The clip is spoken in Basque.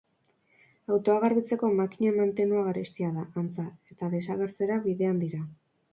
Autoak garbitzeko makinen mantenua garestia da, antza, eta desagertzera bidean dira.